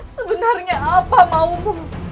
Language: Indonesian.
sebenarnya apa maumu